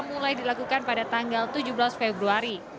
mulai dilakukan pada tanggal tujuh belas februari